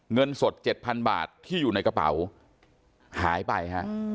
เงินสด๗๐๐บาทที่อยู่ในกระเป๋าหายไปฮะ